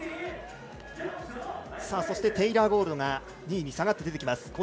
そして、テイラー・ゴールドが２位に下がって、出てきます。